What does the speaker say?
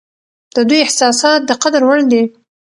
د دوی احساسات د قدر وړ دي.